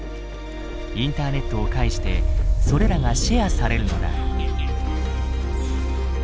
インターネットを介してそれらがシェアされるのだ。